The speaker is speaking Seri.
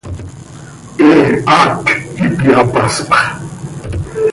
He haac ihpyapaspx.